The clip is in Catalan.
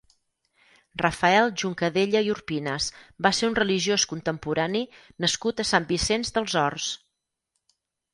Rafael Juncadella i Urpinas va ser un religiós contemporani nascut a Sant Vicenç dels Horts.